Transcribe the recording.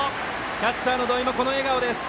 キャッチャーの土井も、この笑顔。